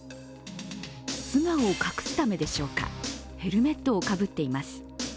素顔を隠すためでしょうか、ヘルメットをかぶっています。